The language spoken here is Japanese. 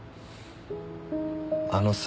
あのさ。